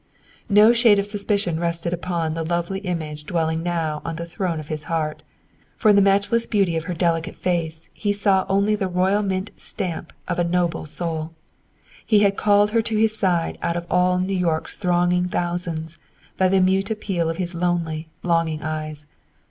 No shade of suspicion rested upon the lovely image dwelling now on the throne of his heart. For in the matchless beauty of her delicate face he saw only the royal mint stamp of a noble soul. He had called her to his side out of all New York's thronging thousands, by the mute appeal of his lonely, longing eyes.